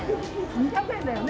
２００円だよね？